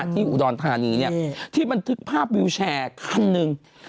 ที่อุดรธานีที่บันทึกภาพวิวแชร์คันหนึ่ง